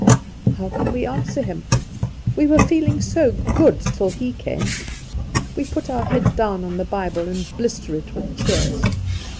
How can we answer him? We were feeling so good till he came. We put our head down on the Bible and blister it with tears.